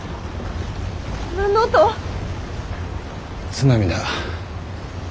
津波だ。